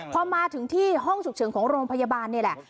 พอมาถึงที่ห้องฉุกเฉินของโรงพยาบาลนี่แหละ